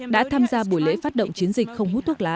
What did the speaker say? đã tham gia buổi lễ phát động chiến dịch không hút thuốc lá